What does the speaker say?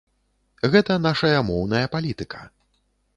Гэта нашая моўная палітыка.